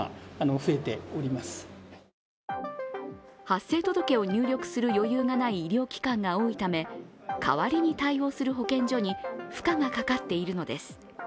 発生届を入力する余裕がない医療機関が多いため代わりに対応する保健所に負荷がかかっているのです。